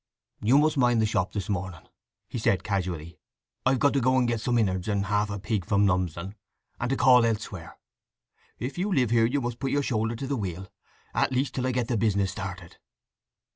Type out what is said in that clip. "You must mind the shop this morning," he said casually. "I've to go and get some inwards and half a pig from Lumsdon, and to call elsewhere. If you live here you must put your shoulder to the wheel, at least till I get the business started!"